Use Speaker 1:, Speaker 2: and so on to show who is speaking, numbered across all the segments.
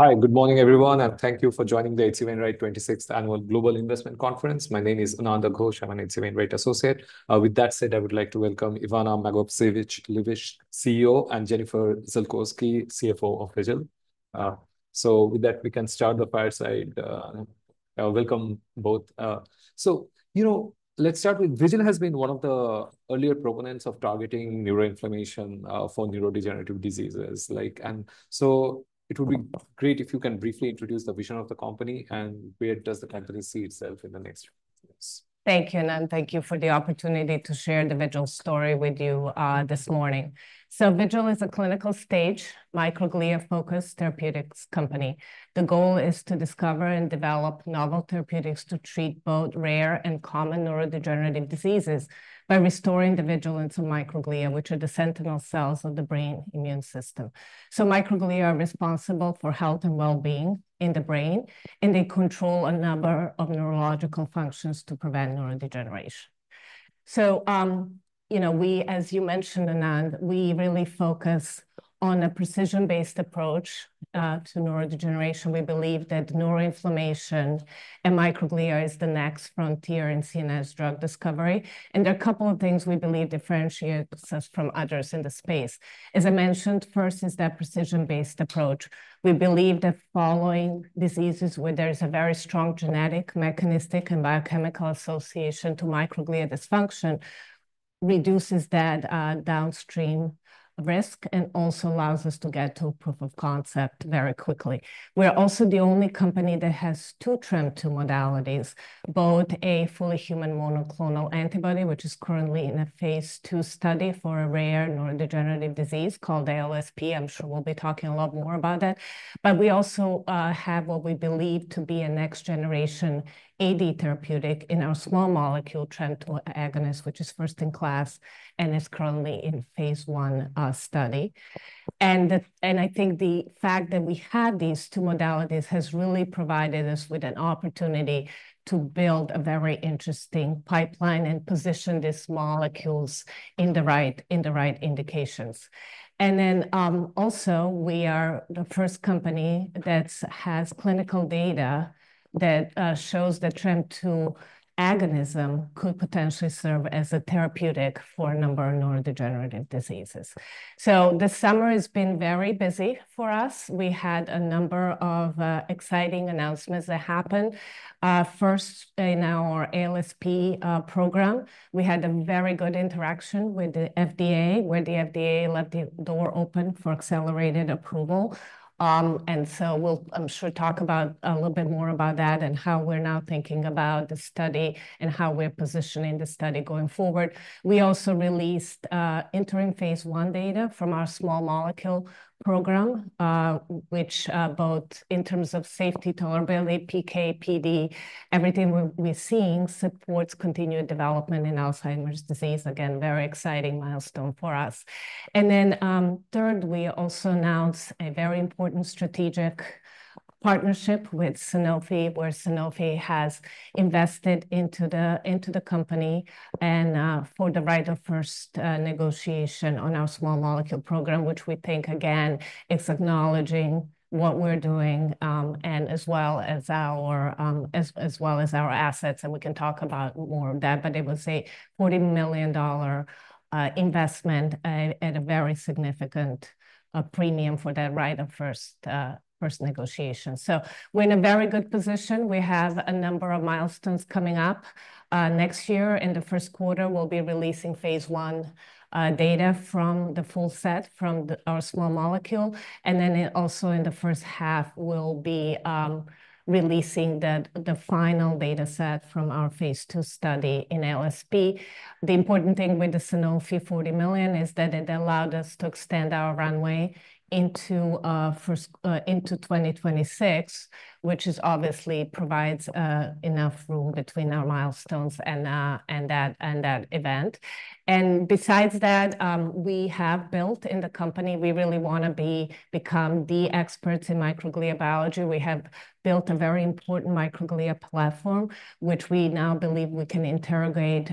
Speaker 1: Hi, good morning, everyone, and thank you for joining the H.C. Wainwright 16th Annual Global Investment Conference. My name is Anand Ghosh. I'm an H.C. Wainwright associate. With that said, I would like to welcome Ivana Magovčević-Liebisch, CEO, and Jennifer Ziolkowski, CFO of Vigil. So with that, we can start the fireside. I welcome both. So, you know, let's start with Vigil has been one of the earlier proponents of targeting neuroinflammation for neurodegenerative diseases like. And so it would be great if you can briefly introduce the vision of the company, and where does the company see itself in the next years?
Speaker 2: Thank you, Anand. Thank you for the opportunity to share the Vigil story with you, this morning. Vigil is a clinical-stage microglia-focused therapeutics company. The goal is to discover and develop novel therapeutics to treat both rare and common neurodegenerative diseases by restoring the vigilance of microglia, which are the sentinel cells of the brain immune system. Microglia are responsible for health and well-being in the brain, and they control a number of neurological functions to prevent neurodegeneration. You know, we, as you mentioned, Anand, we really focus on a precision-based approach to neurodegeneration. We believe that neuroinflammation and microglia is the next frontier in CNS drug discovery, and there are a couple of things we believe differentiates us from others in the space. As I mentioned, first is that precision-based approach. We believe that following diseases where there is a very strong genetic, mechanistic, and biochemical association to microglia dysfunction reduces that downstream risk and also allows us to get to a proof of concept very quickly. We're also the only company that has two TREM2 modalities, both a fully human monoclonal antibody, which is currently in a Phase II study for a rare neurodegenerative disease called ALSP. I'm sure we'll be talking a lot more about that. But we also have what we believe to be a next-generation AD therapeutic in our small molecule TREM2 agonist, which is first in class and is currently in Phase I study. And I think the fact that we have these two modalities has really provided us with an opportunity to build a very interesting pipeline and position these molecules in the right indications. And then, also, we are the first company that has clinical data that shows that TREM2 agonism could potentially serve as a therapeutic for a number of neurodegenerative diseases. So the summer has been very busy for us. We had a number of exciting announcements that happened. First, in our ALSP program, we had a very good interaction with the FDA, where the FDA left the door open for accelerated approval. And so we'll, I'm sure, talk about a little bit more about that and how we're now thinking about the study and how we're positioning the study going forward. We also released interim Phase I data from our small molecule program, which both in terms of safety, tolerability, PK, PD, everything we're seeing supports continued development in Alzheimer's disease. Again, very exciting milestone for us. Then, third, we also announced a very important strategic partnership with Sanofi, where Sanofi has invested into the company, and for the right of first negotiation on our small molecule program, which we think, again, it's acknowledging what we're doing, and as well as our assets, and we can talk about more of that. But it was a $40 million investment at a very significant premium for that right of first negotiation. So we're in a very good position. We have a number of milestones coming up. Next year, in the first quarter, we'll be releasing Phase I data from the full set from our small molecule, and then also in the first half, we'll be releasing the final data set from our Phase II study in ALSP. The important thing with the Sanofi $40 million is that it allowed us to extend our runway into 2026, which is obviously provides enough room between our milestones and that event. Besides that, we have built in the company. We really want to become the experts in microglia biology. We have built a very important microglia platform, which we now believe we can interrogate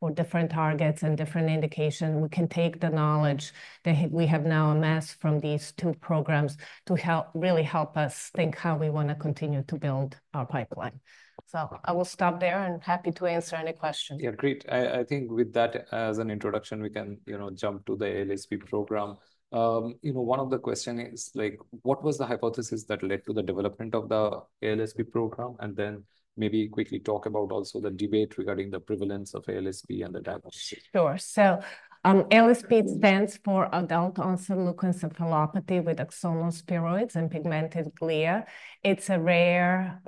Speaker 2: for different targets and different indications. We can take the knowledge that we have now amassed from these two programs to help, really help us think how we wanna continue to build our pipeline. So I will stop there, and happy to answer any questions.
Speaker 1: Yeah, great. I think with that as an introduction, we can, you know, jump to the ALSP program. You know, one of the question is, like, what was the hypothesis that led to the development of the ALSP program? And then maybe quickly talk about also the debate regarding the prevalence of ALSP and the diagnosis.
Speaker 2: Sure. So, ALSP stands for adult-onset leukoencephalopathy with axonal spheroids and pigmented glia. It's a rare,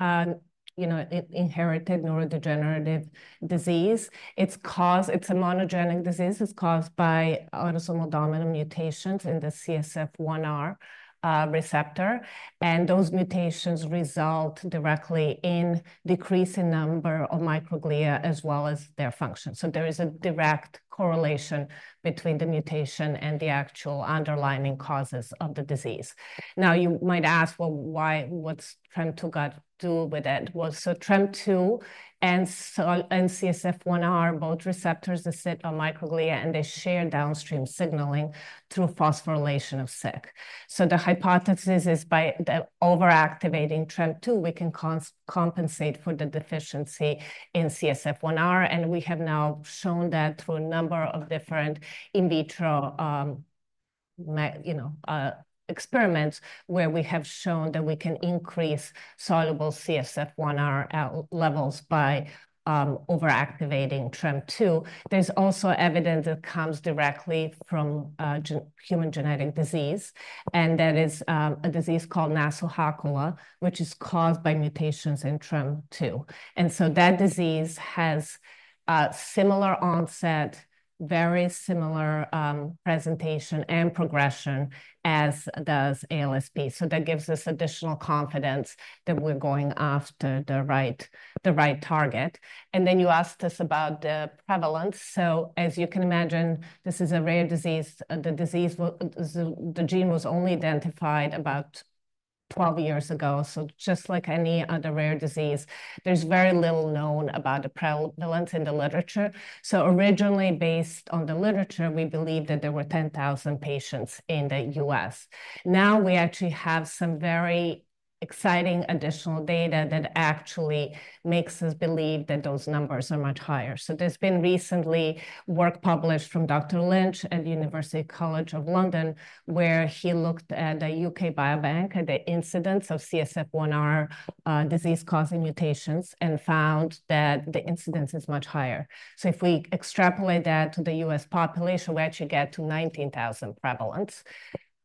Speaker 2: you know, inherited neurodegenerative disease. It's caused. It's a monogenic disease. It's caused by autosomal dominant mutations in the CSF1R receptor, and those mutations result directly in decrease in number of microglia, as well as their function. So there is a direct correlation between the mutation and the actual underlying causes of the disease. Now, you might ask, "Well, what's TREM2 got to do with it?" Well, TREM2 and CSF1R are both receptors that sit on microglia, and they share downstream signaling through phosphorylation of Syk. So the hypothesis is by the over-activating TREM2, we can compensate for the deficiency in CSF1R, and we have now shown that through a number of different in vitro. My, you know, experiments where we have shown that we can increase soluble CSF1R levels by over-activating TREM2. There's also evidence that comes directly from human genetic disease, and that is a disease called Nasu-Hakola, which is caused by mutations in TREM2. And so that disease has a similar onset, very similar presentation and progression as does ALSP. So that gives us additional confidence that we're going after the right target. And then you asked us about the prevalence. So as you can imagine, this is a rare disease. The disease, the gene was only identified about 12-years ago. So just like any other rare disease, there's very little known about the prevalence in the literature. So originally, based on the literature, we believed that there were 10,000 patients in the U.S. Now we actually have some very exciting additional data that actually makes us believe that those numbers are much higher. So there's been recently work published from Dr. Lynch at the University College London, where he looked at the UK Biobank at the incidence of CSF1R, disease-causing mutations, and found that the incidence is much higher. So if we extrapolate that to the U.S. population, we actually get to 19,000 prevalence.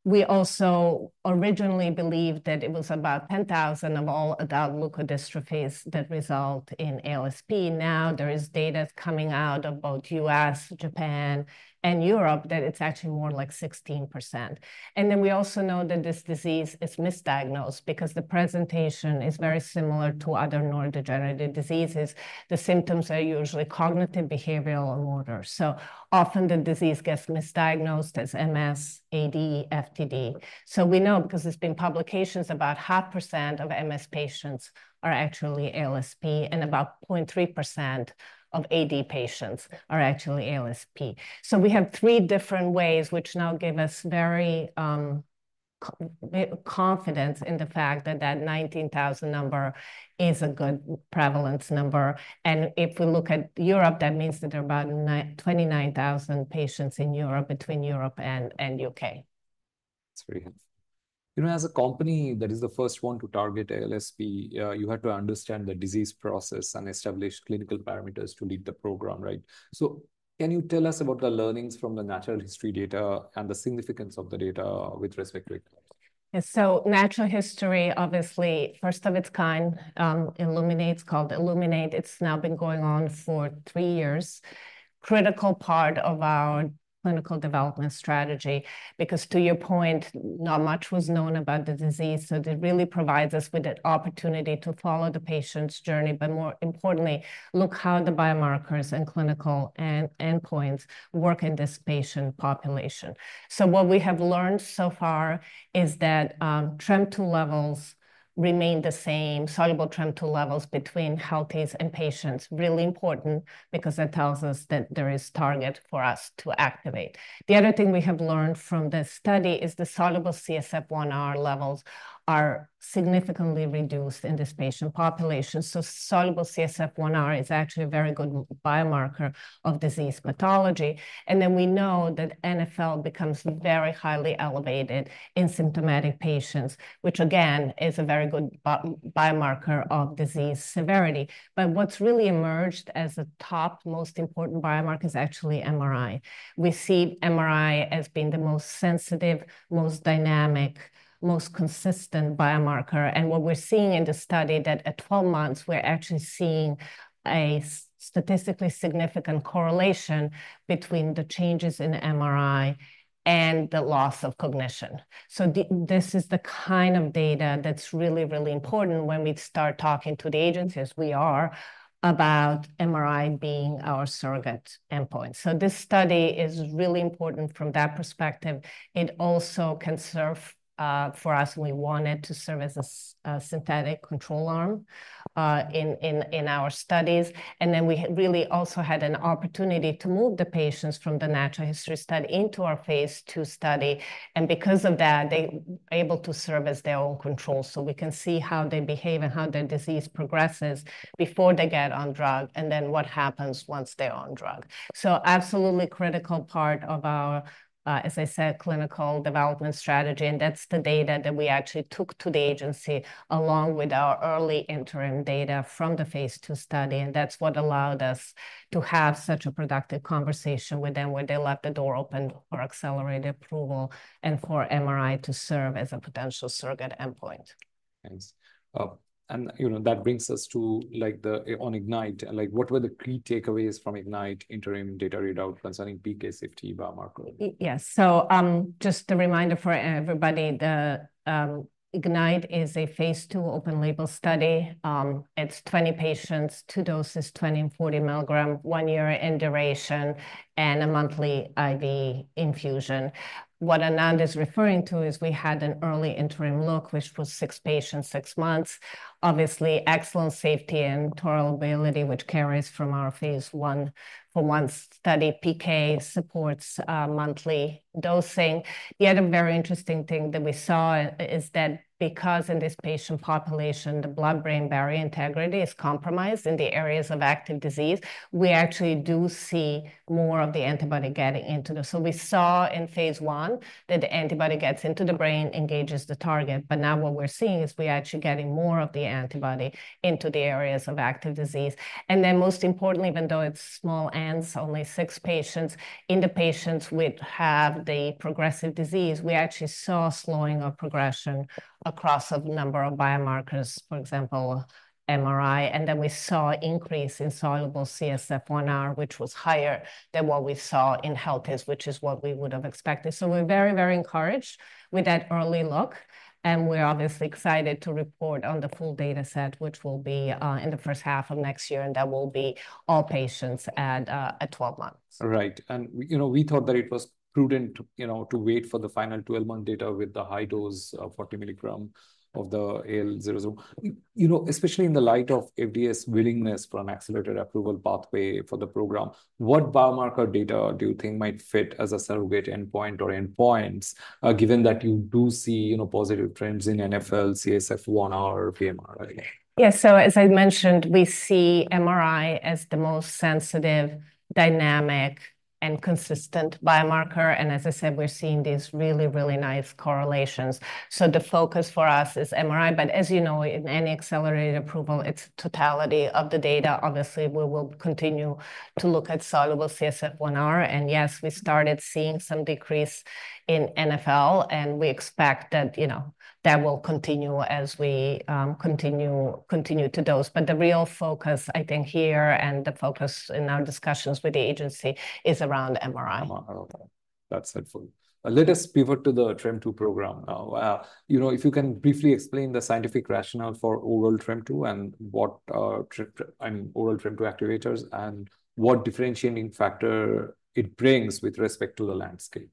Speaker 2: We also originally believed that it was about 10,000 of all adult leukodystrophies that result in ALSP. Now, there is data coming out of both U.S., Japan, and Europe, that it's actually more like 16%. And then we also know that this disease is misdiagnosed because the presentation is very similar to other neurodegenerative diseases. The symptoms are usually cognitive, behavioral, or motor. So often the disease gets misdiagnosed as MS, AD, FTD. So we know because there's been publications, about 0.5% of MS patients are actually ALSP, and about 0.3% of AD patients are actually ALSP. So we have three different ways, which now give us very confident in the fact that, that 19,000 number is a good prevalence number. And if we look at Europe, that means that there are about 29,000 patients in Europe, between Europe and UK.
Speaker 1: That's very helpful. You know, as a company that is the first one to target ALSP, you had to understand the disease process and establish clinical parameters to lead the program, right? So can you tell us about the learnings from the natural history data and the significance of the data with respect to it?
Speaker 2: Yeah, so natural history, obviously, first of its kind, ILLUMINATE. It's called ILLUMINATE. It's now been going on for 3-years. Critical part of our clinical development strategy because, to your point, not much was known about the disease, so it really provides us with an opportunity to follow the patient's journey, but more importantly, look how the biomarkers and clinical and endpoints work in this patient population. So what we have learned so far is that, TREM2 levels remain the same, soluble TREM2 levels between healthy and patients. Really important because that tells us that there is target for us to activate. The other thing we have learned from this study is the soluble CSF1R levels are significantly reduced in this patient population, so soluble CSF1R is actually a very good biomarker of disease pathology. And then we know that NfL becomes very highly elevated in symptomatic patients, which again, is a very good biomarker of disease severity. But what's really emerged as a top most important biomarker is actually MRI. We see MRI as being the most sensitive, most dynamic, most consistent biomarker, and what we're seeing in the study that at 12-months, we're actually seeing a statistically significant correlation between the changes in MRI and the loss of cognition. So this is the kind of data that's really, really important when we start talking to the agencies we are, about MRI being our surrogate endpoint. So this study is really important from that perspective. It also can serve, for us, we want it to serve as a synthetic control arm, in our studies. And then we really also had an opportunity to move the patients from the natural history study into our Phase II study, and because of that, they were able to serve as their own control, so we can see how they behave and how their disease progresses before they get on drug, and then what happens once they're on drug. So absolutely critical part of our, as I said, clinical development strategy, and that's the data that we actually took to the agency, along with our early interim data from the Phase II study, and that's what allowed us to have such a productive conversation with them, where they left the door open for accelerated approval and for MRI to serve as a potential surrogate endpoint....
Speaker 1: Thanks. And, you know, that brings us to, like, the on IGNITE, and, like, what were the key takeaways from IGNITE interim data readout concerning PK safety biomarker?
Speaker 2: Yes, so, just a reminder for everybody, the IGNITE is a Phase II open-label study. It's 20 patients, two doses, 20 and 40 milligrams, one year in duration, and a monthly IV infusion. What Anand is referring to is we had an early interim look, which was six patients, 6-months. Obviously, excellent safety and tolerability, which carries from our Phase I from one study. PK supports monthly dosing. The other very interesting thing that we saw is that because in this patient population, the blood-brain barrier integrity is compromised in the areas of active disease, we actually do see more of the antibody getting into them, so we saw in Phase I that the antibody gets into the brain, engages the target, but now what we're seeing is we're actually getting more of the antibody into the areas of active disease. And then, most importantly, even though it's small n's, only six patients, in the patients which have the progressive disease, we actually saw slowing of progression across a number of biomarkers, for example, MRI. And then we saw increase in soluble CSF1R, which was higher than what we saw in healthies, which is what we would have expected. So we're very, very encouraged with that early look, and we're obviously excited to report on the full data set, which will be in the first half of next year, and that will be all patients at 12-months.
Speaker 1: Right. And you know, we thought that it was prudent to, you know, to wait for the final 12-month data with the high dose of 40 milligram of the ALZ001. You know, especially in the light of FDA's willingness for an accelerated approval pathway for the program, what biomarker data do you think might fit as a surrogate endpoint or endpoints, given that you do see, you know, positive trends in NfL, CSF1R, MRI?
Speaker 2: Yeah, so as I mentioned, we see MRI as the most sensitive, dynamic, and consistent biomarker, and as I said, we're seeing these really, really nice correlations. So the focus for us is MRI, but as you know, in any accelerated approval, it's totality of the data. Obviously, we will continue to look at soluble CSF1R, and yes, we started seeing some decrease in NfL, and we expect that, you know, that will continue as we continue to dose. But the real focus, I think, here, and the focus in our discussions with the agency, is around MRI.
Speaker 1: Mm-hmm. Okay. That's helpful. Let us pivot to the TREM2 program now. You know, if you can briefly explain the scientific rationale for oral TREM2 and what, I mean, oral TREM2 activators, and what differentiating factor it brings with respect to the landscape.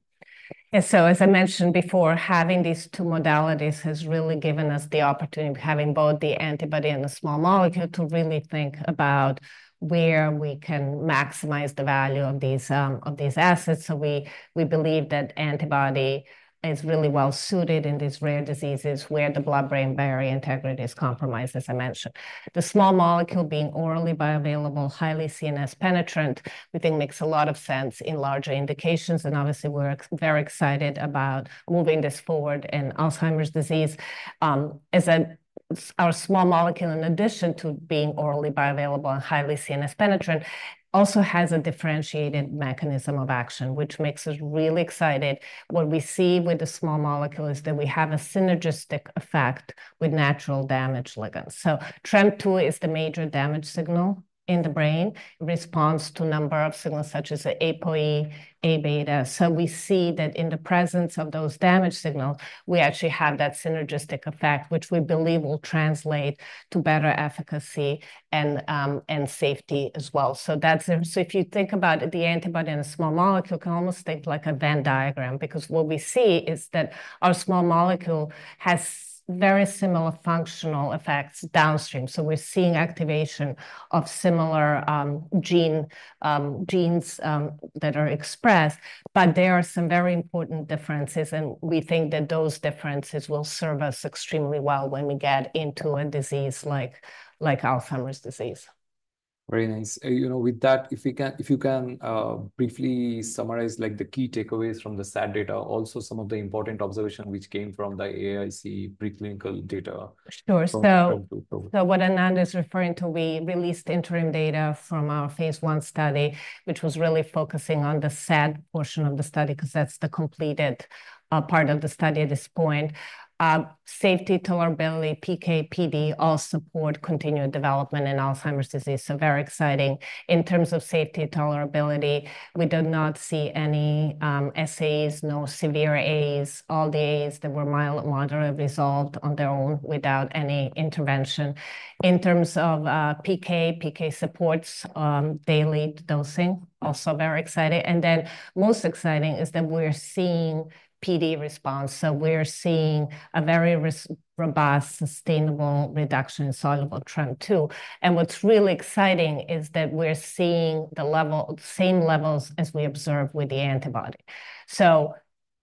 Speaker 2: Yeah, so as I mentioned before, having these two modalities has really given us the opportunity, having both the antibody and the small molecule, to really think about where we can maximize the value of these of these assets. So we believe that antibody is really well suited in these rare diseases where the blood-brain barrier integrity is compromised, as I mentioned. The small molecule being orally bioavailable, highly CNS penetrant, we think makes a lot of sense in larger indications, and obviously, we're very excited about moving this forward in Alzheimer's disease. Our small molecule, in addition to being orally bioavailable and highly CNS penetrant, also has a differentiated mechanism of action, which makes us really excited. What we see with the small molecule is that we have a synergistic effect with natural damage ligands. TREM2 is the major damage signal in the brain, responds to a number of signals, such as APOE, Abeta. We see that in the presence of those damage signal, we actually have that synergistic effect, which we believe will translate to better efficacy and, and safety as well. That's... If you think about the antibody and a small molecule, you can almost think like a Venn diagram, because what we see is that our small molecule has very similar functional effects downstream. We're seeing activation of similar, gene, genes, that are expressed, but there are some very important differences, and we think that those differences will serve us extremely well when we get into a disease like Alzheimer's disease.
Speaker 1: Very nice. You know, with that, if you can briefly summarize, like, the key takeaways from the SAD data, also some of the important observation which came from the in vivo preclinical data?
Speaker 2: Sure...
Speaker 1: from
Speaker 3: So what Anand is referring to, we released interim data from our Phase I study, which was really focusing on the SAD portion of the study, 'cause that's the completed part of the study at this point. Safety, tolerability, PK/PD all support continued development in Alzheimer's disease, so very exciting. In terms of safety tolerability, we do not see any SAs, no severe As. All the As that were mild, moderate, resolved on their own without any intervention. In terms of PK, PK supports daily dosing, also very exciting. And then, most exciting is that we're seeing PD response. So we're seeing a very robust, sustainable reduction in soluble TREM2. And what's really exciting is that we're seeing the same levels as we observed with the antibody. So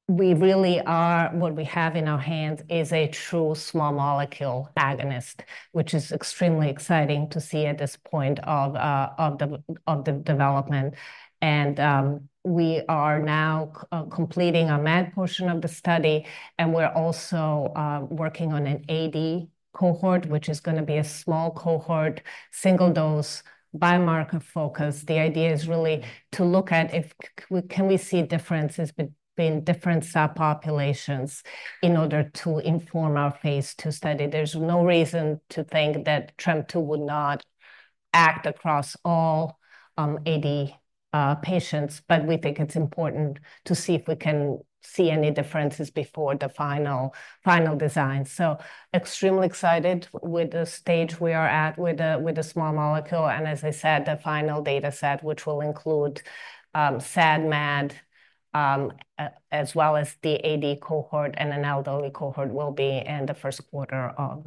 Speaker 3: we really are... What we have in our hands is a true small molecule agonist, which is extremely exciting to see at this point of, of the, of the development. We are now completing our MAD portion of the study, and we're also working on an AD cohort, which is gonna be a small cohort, single-dose, biomarker-focused. The idea is really to look at if can we see differences between different subpopulations in order to inform our Phase II study. There's no reason to think that TREM2 would not act across all, AD patients, but we think it's important to see if we can see any differences before the final, final design. So extremely excited with the stage we are at with the, with the small molecule, and as I said, the final data set, which will include SAD, MAD, as well as the AD cohort and an elderly cohort will be in the first quarter of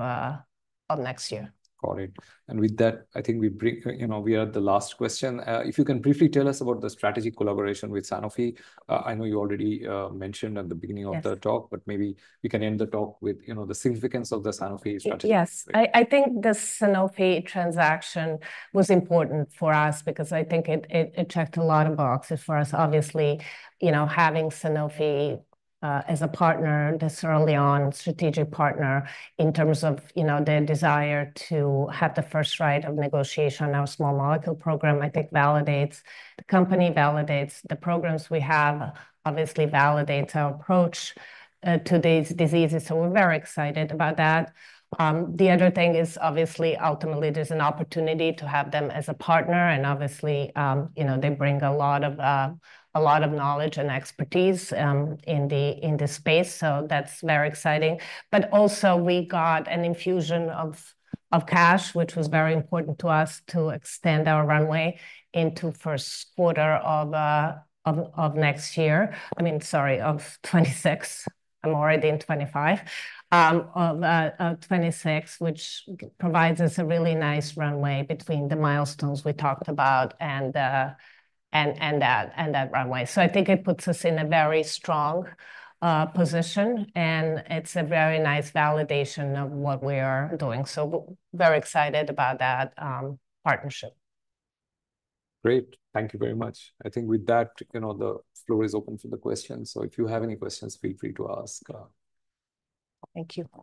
Speaker 3: next year.
Speaker 1: Got it, and with that, I think we break, you know, we are at the last question. If you can briefly tell us about the strategic collaboration with Sanofi. I know you already mentioned at the beginning of the-
Speaker 2: Yes...
Speaker 1: talk, but maybe you can end the talk with, you know, the significance of the Sanofi strategy.
Speaker 2: Yes. I think the Sanofi transaction was important for us because I think it checked a lot of boxes for us. Obviously, you know, having Sanofi as a partner, this early on strategic partner, in terms of, you know, their desire to have the first right of negotiation on our small molecule program, I think validates the company, validates the programs we have, obviously validates our approach to these diseases, so we're very excited about that. The other thing is, obviously, ultimately, there's an opportunity to have them as a partner, and obviously, you know, they bring a lot of knowledge and expertise in this space, so that's very exciting. But also, we got an infusion of cash, which was very important to us to extend our runway into first quarter of next year. I mean, sorry, of 2026. I'm already in 2025. Of 2026, which provides us a really nice runway between the milestones we talked about and that runway. So I think it puts us in a very strong position, and it's a very nice validation of what we are doing, so very excited about that partnership.
Speaker 1: Great. Thank you very much. I think with that, you know, the floor is open for the questions, so if you have any questions, feel free to ask.
Speaker 2: Thank you.